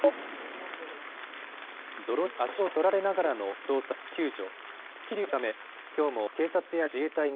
泥に足を取られながらの捜索、救助。